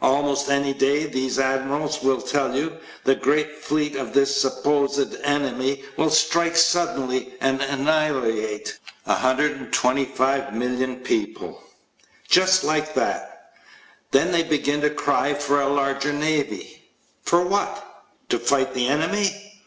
Almost any day, these admirals will tell you, the great fleet of this supposed enemy will strike suddenly and annihilate 125,000,000 people. Just like that. Then they begin to cry for a larger navy. For what? To fight the enemy?